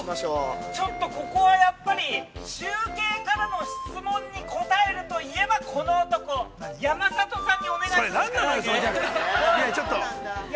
ちょっとここはやっぱり中継からの質問に答えるといえば、この男、山里さんにお願いするしかないね！